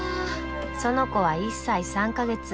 園子は１歳３か月。